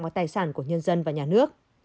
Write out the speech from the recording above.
và tài sản của nhân dân và nhà nước